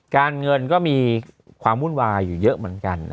การเงินก็มีความวุ่นวายอยู่เยอะเหมือนกัน